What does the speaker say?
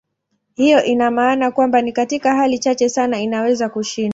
Hiyo ina maana kwamba ni katika hali chache sana inaweza kushindwa.